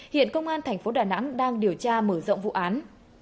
hiện công an thành phố đà nẵng đang điều tra mở rộng vụ án